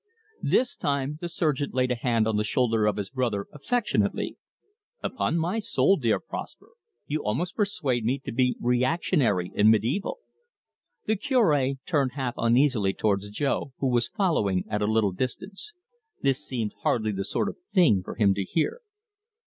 This time the surgeon laid a hand on the shoulder of his brother affectionately. "Upon my soul, dear Prosper, you almost persuade me to be reactionary and mediaeval." The Curb turned half uneasily towards Jo, who was following at a little distance. This seemed hardly the sort of thing for him to hear.